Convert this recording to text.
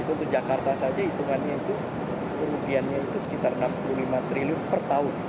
untuk jakarta saja hitungannya itu kerugiannya itu sekitar enam puluh lima triliun per tahun